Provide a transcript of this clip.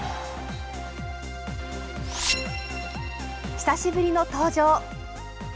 久しぶりの登場。